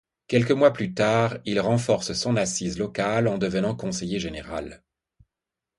Quelques mois plus tard, il renforce son assise locale en devenant conseiller général.